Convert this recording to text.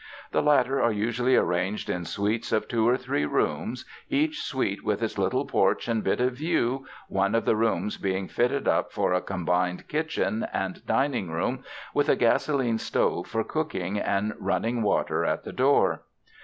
The latter are usually arranged in suites of two or three rooms, each suite with its little porch and bit of view, one of the rooms being fitted up for a combined kitchen and dining room, with a gasoline stove for cooking, and running water at the door.